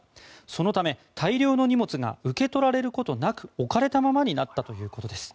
そのため、大量の荷物が受け取られることなく置かれたままになったということです。